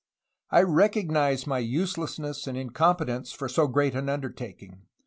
I recognize my use lessness and incompetence for so great an undertaking.